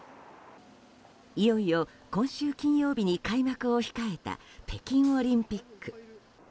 いよいよ今週金曜日に開幕を控えた北京オリンピック。